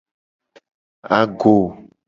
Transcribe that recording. Ago.